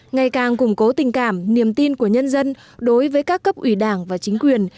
ngày càng củng cố tình cảm niềm tin của nhân dân đối với các cấp ủy đảng và chính quyền